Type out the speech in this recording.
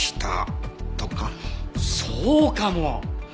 そうかも！